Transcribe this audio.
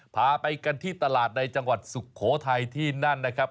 พาไปกันที่ตลาดในจังหวัดสุโขทัยที่นั่นนะครับ